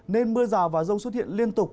nên mưa rào và rông xuất hiện liên tục